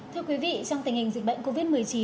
thưa quý vị trong tình hình dịch bệnh covid một mươi chín